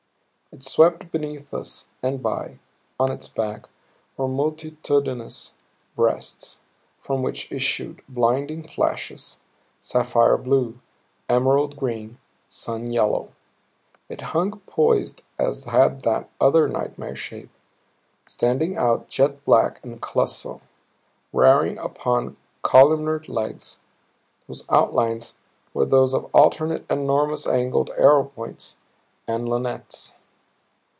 It swept beneath us and by. On its back were multitudinous breasts from which issued blinding flashes sapphire blue, emerald green, sun yellow. It hung poised as had that other nightmare shape, standing out jet black and colossal, rearing upon columnar legs, whose outlines were those of alternate enormous angled arrow points and lunettes.